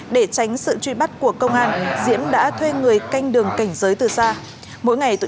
để tránh sự truy bắt của công an diễm đã thuê người canh đường cảnh giới từ xa